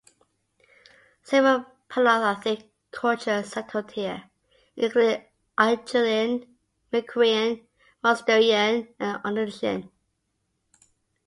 Several Paleolithic cultures settled here, including Acheulean, Micoquien, Mousterian, and Aurignacian.